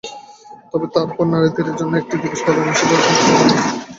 তবে তার পরও নারীদের জন্য একটি দিবস পালনে আনুষ্ঠানিকতার কমতি ছিল না।